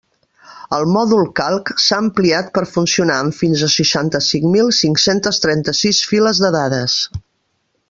El mòdul Calc s'ha ampliat per a funcionar amb fins a seixanta-cinc mil cinc-centes trenta-sis files de dades.